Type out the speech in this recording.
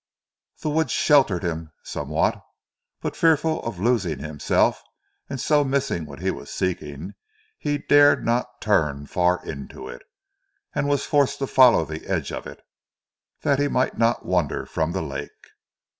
The wood sheltered him somewhat; but fearful of losing himself, and so missing what he was seeking, he dared not turn far into it, and was forced to follow the edge of it, that he might not wander from the lake.